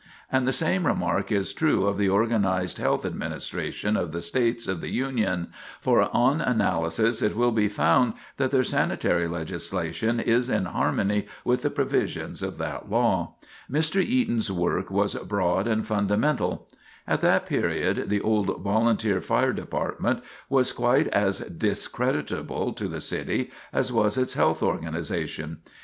And the same remark is true of the organized health administration of the States of the Union, for on analysis it will be found that their sanitary legislation is in harmony with the provisions of that law. Mr. Eaton's work was broad and fundamental. [Sidenote: Reorganization of the Fire Department] At that period the old Volunteer Fire Department was quite as discreditable to the city as was its health organization.